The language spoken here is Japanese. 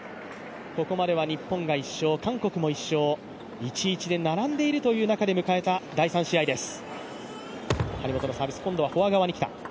ここまでは日本が１勝、韓国も１勝、１−１で並んでいる中迎えた第３試合です。